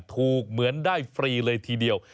เหมือนได้ฟรีเลยทีเดียว